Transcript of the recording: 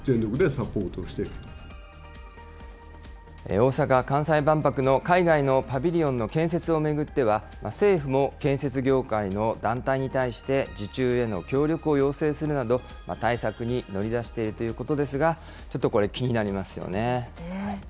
大阪・関西万博の海外のパビリオンの建設を巡っては、政府も建設業界の団体に対して、受注への協力を要請するなど、対策に乗り出しているということですが、ちょっとこれ、気になりそうですね。